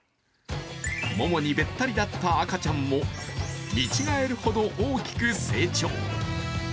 モモにべったりだった赤ちゃんも見違えるほど大きく成長。